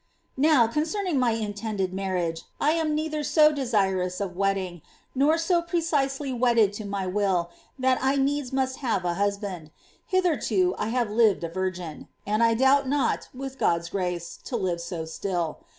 ^ Now, concerning my intended marriage, I am neither so desirous of wedding, nor so precisely wedded to mj will, that I needs must have a husband. Hitherto, I have lived a virgin ; and I doubt not, with GotPs grace, to live so still.